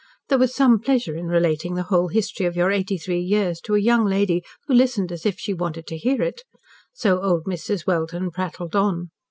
There was some pleasure in relating the whole history of your eighty three years to a young lady who listened as if she wanted to hear it. So old Mrs. Welden prattled on.